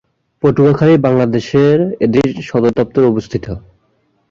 পটুয়াখালী, বাংলাদেশে এটির সদরদপ্তর অবস্থিত।